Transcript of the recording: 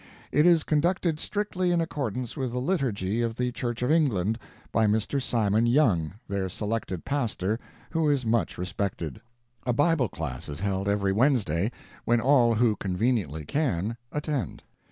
It is conducted strictly in accordance with the liturgy of the Church of England, by Mr. Simon Young, their selected pastor, who is much respected. A Bible class is held every Wednesday, when all who conveniently can, attend.